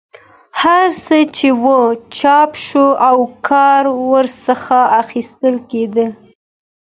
هر څه چې وو چاپ شول او کار ورڅخه اخیستل کېدی.